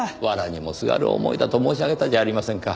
藁にもすがる思いだと申し上げたじゃありませんか。